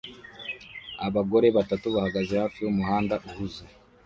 Abagore batatu bahagaze hafi yumuhanda uhuze